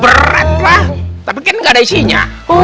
berat lah tapi kan nggak ada isinya